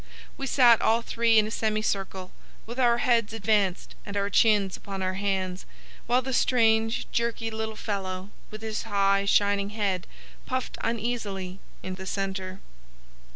We sat all three in a semi circle, with our heads advanced, and our chins upon our hands, while the strange, jerky little fellow, with his high, shining head, puffed uneasily in the centre.